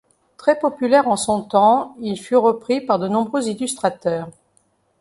Très populaire en son temps, il fut repris par de nombreux illustrateurs.